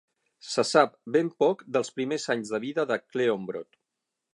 Se sap ben poc dels primers anys de vida de Cleombrot.